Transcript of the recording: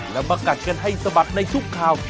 แล้วมากัดกันให้สะบัดในทุกข่าว